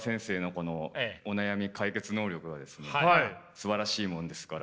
すばらしいもんですから。